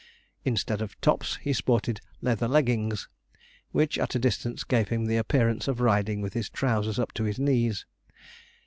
Instead of tops, he sported leather leggings, which at a distance gave him the appearance of riding with his trousers up to his knees.